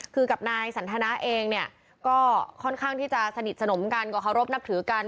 คือกับนายสันทนาเองเนี่ยก็ค่อนข้างที่จะสนิทสนมกันก็เคารพนับถือกัน